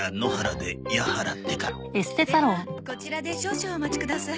ではこちらで少々お待ちください。